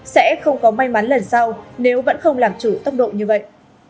sẽ không có may mắn lần sau nếu vẫn không làm chủ tốc độ như vậy